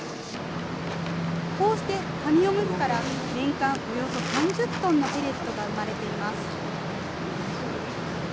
こうして紙おむつから年間およそ３０トンのペレットが生まれています。